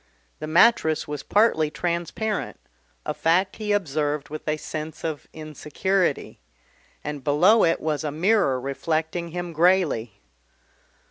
The mattress was partly transparent, a fact he observed with a sense of insecurity, and below it was a mirror reflecting him greyly.